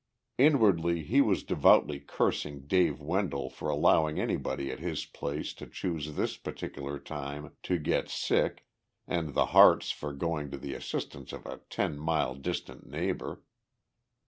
Inwardly he was devoutly cursing Dave Wendell for allowing anybody at his place to choose this particular time to get sick and the Hartes for going to the assistance of a ten mile distant neighbour.